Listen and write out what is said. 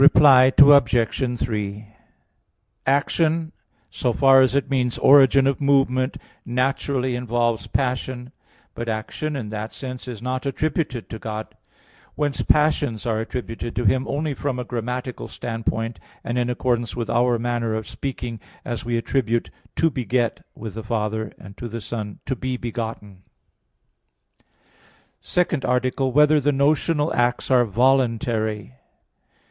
Reply Obj. 3: Action, so far as it means origin of movement, naturally involves passion; but action in that sense is not attributed to God. Whence, passions are attributed to Him only from a grammatical standpoint, and in accordance with our manner of speaking, as we attribute "to beget" with the Father, and to the Son "to be begotten." _______________________ SECOND ARTICLE [I, Q. 41, Art. 2] Whether the Notional Acts Are Voluntary?